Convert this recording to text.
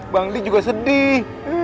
bangdi juga sedih